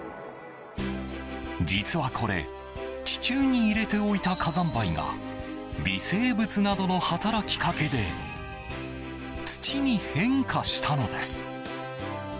実はこれ地中に入れておいた火山灰が微生物などの働きかけで土に変化したのです。